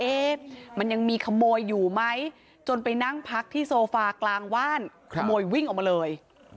มันยังมีขโมยอยู่ไหมจนไปนั่งพักที่โซฟากลางว่านขโมยวิ่งออกมาเลย